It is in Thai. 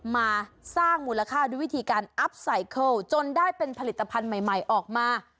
มาสร้างมูลค่าด้วยวิธีการอัพไซเคิลจนได้เป็นผลิตภัณฑ์ใหม่ออกมา